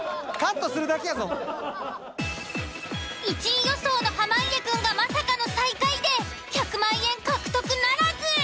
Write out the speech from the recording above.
１位予想の濱家くんがまさかの最下位で１００万円獲得ならず！